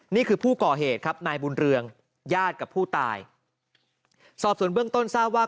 นี่คือผู้ก่อเหตุครับนายบุญเรืองญาติกับผู้ตายสอบส่วนเบื้องต้นทราบว่า